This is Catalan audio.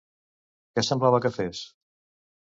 Què semblava que fes?